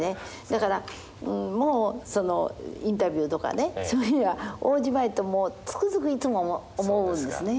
だからもうインタビューとかねそういうのには応じまいともうつくづくいつも思うんですね。